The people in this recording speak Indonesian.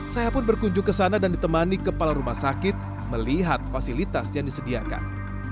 saya pun berkunjung ke sana dan ditemani kepala rumah sakit melihat fasilitas yang disediakan